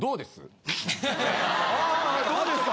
どうですか？